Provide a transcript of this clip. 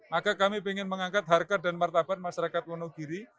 maka kami ingin mengangkat harkat dan martabat masyarakat wonogiri